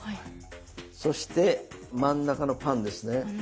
そして真ん中のパンですね。